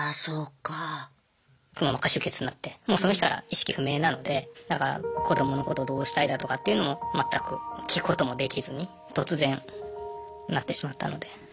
くも膜下出血になってもうその日から意識不明なのでだから子どものことどうしたいだとかっていうのも全く聞くこともできずに突然なってしまったので。